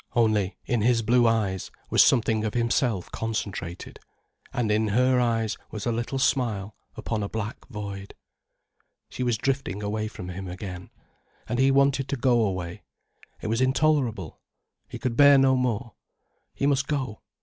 Only, in his blue eyes, was something of himself concentrated. And in her eyes was a little smile upon a black void. She was drifting away from him again. And he wanted to go away. It was intolerable. He could bear no more. He must go.